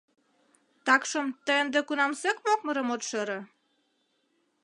Такшым тый ынде кунамсек мокмырым от шӧрӧ?